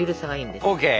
ＯＫ！